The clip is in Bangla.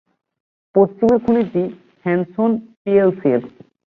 পশ্চিমের খনিটি হ্যানসন পিএলসির।